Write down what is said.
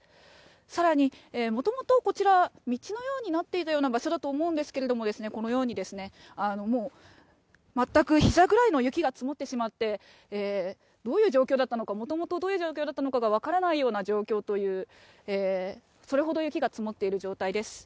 さらに、もともとこちら、道のようになっていた場所だと思うんですけれども、このように、もう、全くひざぐらいの雪が積もってしまって、どういう状況だったのか、もともとどういう状況だったのか分からないような状況という、それほど雪が積もっている状態です。